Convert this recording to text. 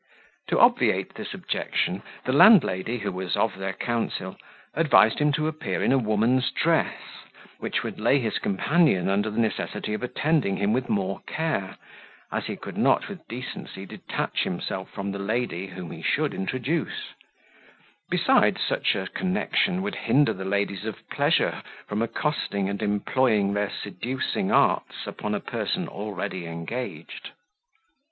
To obviate this objection, the landlady, who was of their council, advised him to appear in a woman's dress, which would lay his companion under the necessity of attending him with more care, as he could not with decency detach himself from the lady whom he should introduce; besides, such a connection would hinder the ladies of pleasure from accosting and employing their seducing arts upon a person already engaged.